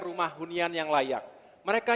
rumah hunian yang layak mereka